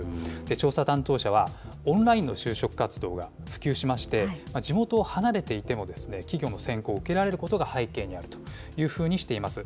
調査担当者は、オンラインの就職活動が普及しまして、地元を離れていても、企業の選考を受けられることが背景にあるというふうにしています。